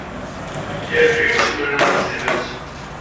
Yeɛjeb-iyi usmel-nwent s tidet.